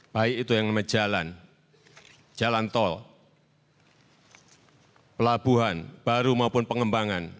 baik itu yang namanya jalan jalan tol pelabuhan baru maupun pengembangan